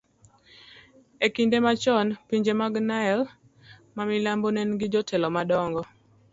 e kinde machon, pinje mag Nile mamilambo ne nigi jotelo madongo.